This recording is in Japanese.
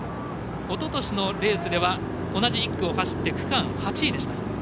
おととしのレースでは同じ１区を走って区間８位でした。